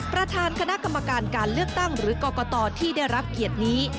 ประธานคณะกรรมการการเลือกตั้งหรือกรกตที่ได้รับเกียรตินี้